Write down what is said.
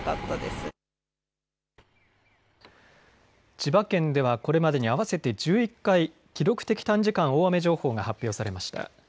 千葉県ではこれまでに合わせて１１回、記録的短時間大雨情報が発表されました。